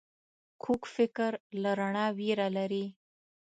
کوږ فکر له رڼا ویره لري